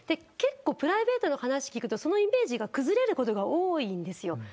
結構プライベートの話を聞くとそのイメージが崩れることが多いです。